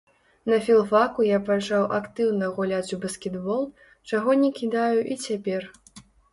На філфаку я пачаў актыўна гуляць у баскетбол, чаго не кідаю і цяпер.